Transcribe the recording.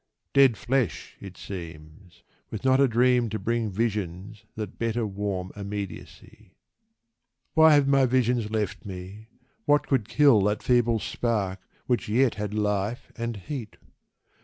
Dead flesh it seems, with not a dream to bring Visions that better warm immediacy. Why have my visions left me, what could kill That feeble spark, which yet had life and heat?